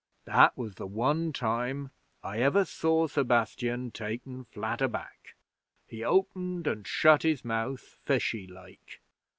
'That was the one time I ever saw Sebastian taken flat aback. He opened and shut his mouth, fishy like.